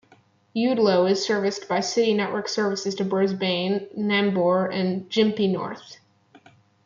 Eudlo is serviced by City network services to Brisbane, Nambour and Gympie North.